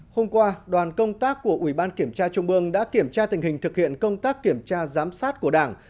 hôm qua đoàn công tác của ủy ban kiểm tra trung ương đã kiểm tra tình hình thực hiện công tác kiểm tra giám sát của đảng